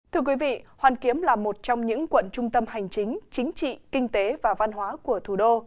thưa quý vị hoàn kiếm là một trong những quận trung tâm hành chính chính trị kinh tế và văn hóa của thủ đô